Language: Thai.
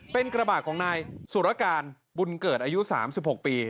เป็นกระบาดของนายสุรการบุญเกิดอายุ๓๖ปี